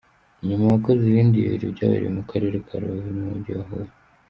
Nyuma yakoze ibindi bibiri byabereye mu Karere ka Rubavu no mu Mujyi wa Huye.